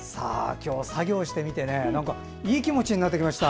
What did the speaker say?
今日は、作業してみていい気持ちになってきました。